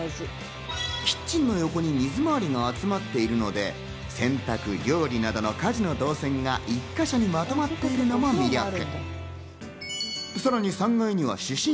キッチンの横に水周りが集まっているので洗濯、料理などの家事の導線が１か所にまとまっているのも魅力。